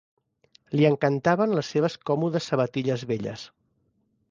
Li encantaven les seves còmodes sabatilles velles.